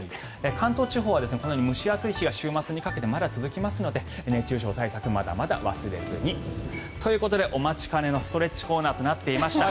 関東地方は蒸し暑い日が週末にかけてまだ続きますので熱中症対策をまだまだ忘れずに。ということでお待ちかねのストレッチコーナーとなってきました。